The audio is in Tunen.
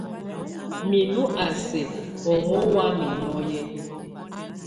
Minú a sɛk oŋwam nɔ́ye.